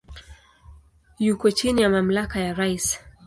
Yuko chini ya mamlaka ya rais.